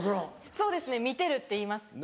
そうですね「みてる」って言います。